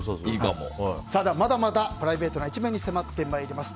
まだまだプライベートな一面に迫ってまいります。